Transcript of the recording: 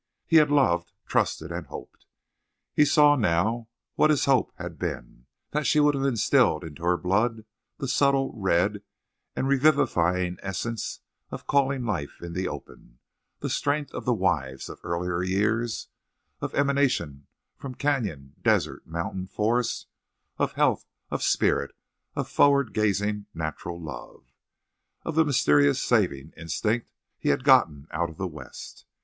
He had loved, trusted, and hoped. She saw now what his hope had been—that she would have instilled into her blood the subtle, red, and revivifying essence of calling life in the open, the strength of the wives of earlier years, an emanation from canyon, desert, mountain, forest, of health, of spirit, of forward gazing natural love, of the mysterious saving instinct he had gotten out of the West.